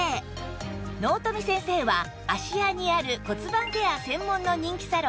納富先生は芦屋にある骨盤ケア専門の人気サロン